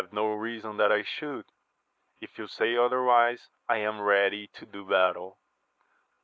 no reason that I should ; if you say otherwise, I am ready to do battle.